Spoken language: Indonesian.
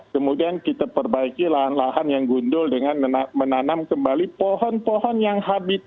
kemudian kita perbaiki lahan lahan yang gundul dengan menanam kembali pohon pohon yang habitat